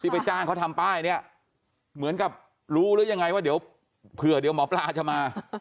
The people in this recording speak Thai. ไปจ้างเขาทำป้ายเนี่ยเหมือนกับรู้หรือยังไงว่าเดี๋ยวเผื่อเดี๋ยวหมอปลาจะมา